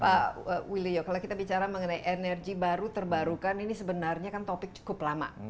pak willio kalau kita bicara mengenai energi baru terbarukan ini sebenarnya kan topik cukup lama